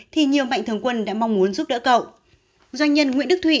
thì nhiều mạnh thường quân đã mong muốn giúp đỡ cậu